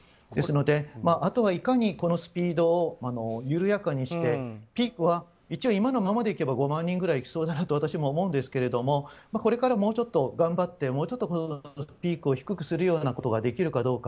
ですので、あとはいかにこのスピードを緩やかにして、ピークは一応今のままでいけば５万人くらいいきそうだなと私も思うんですけれどもこれからもうちょっと頑張ってピークを低くすることができるか。